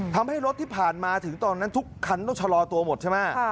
ทำให้รถที่ผ่านมาถึงตอนนั้นทุกคันต้องชะลอตัวหมดใช่ไหม